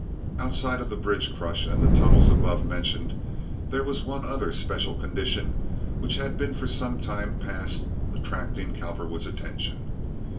Outside of the bridge crush and the tunnels above mentioned, there was one other special condition which had been for some time past attracting Cowperwood's attention.